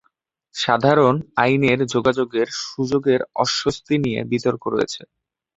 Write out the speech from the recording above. সাধারণ আইনে যোগাযোগের সুযোগের অস্তিত্ব নিয়ে বিতর্ক রয়েছে।